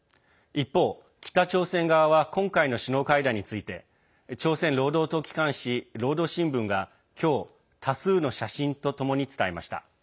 一方、北朝鮮側は今回の首脳会談について朝鮮労働党機関紙、労働新聞が今日、多数の写真とともに伝えました。